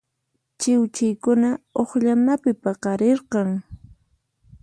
Chiwchiykuna uqllanapi paqarirqan.